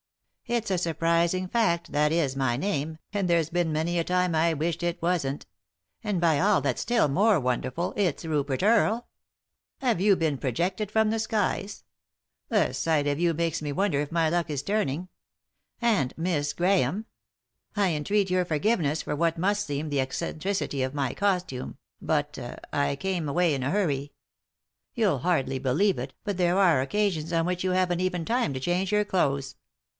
" It's a surprising fact, that is my name, and there's been many a time I've wished it wasn't. And by all that's still more wonderful, it's Rupert Earle I Have you been projected from the skies ? The sight of you makes me wonder if my luck is turning. And — Miss Grahame 1 I entreat your forgiveness for what must seem the eccentricity of my costume, but— I came away in a hurry. You'll hardly believe 'it, but there are occasions on which you haven't even time to change your clothes.